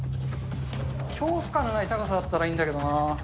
恐怖感のない高さだったらいいんだけどな。